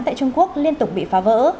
tại trung quốc liên tục bị phá vỡ